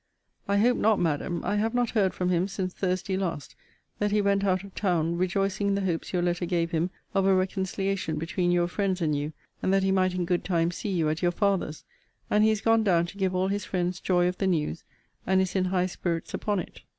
I hope not, Madam. I have not heard from him since Thursday last, that he went out of town, rejoicing in the hopes your letter gave him of a reconciliation between your friends and you, and that he might in good time see you at your father's; and he is gone down to give all his friends joy of the news, and is in high spirits upon it.